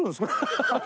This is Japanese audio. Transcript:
ハハハハ！